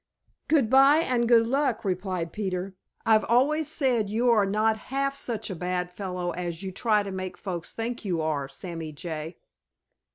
"Good by and good luck," replied Peter. "I've always said you are not half such a bad fellow as you try to make folks think you are, Sammy Jay."